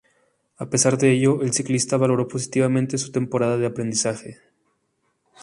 A pesar de ello el ciclista valoró positivamente su temporada de aprendizaje.